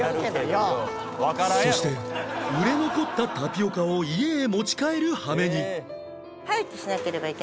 そして売れ残ったタピオカを家へ持ち帰る羽目に